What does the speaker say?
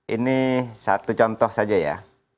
ini satu contoh saja ya